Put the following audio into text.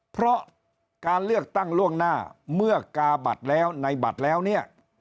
เพราะการเลือกตั้งล่วงหน้าเมื่อกาบัตรแล้วในบัตรแล้วเนี่ย